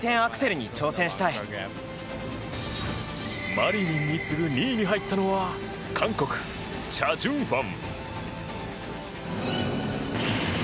マリニンに次ぐ２位に入ったのは韓国、チャ・ジュンファン。